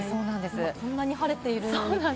こんなに晴れているのに。